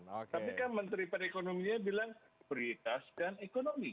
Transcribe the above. tapi kan menteri perekonominya bilang perlintaskan ekonomi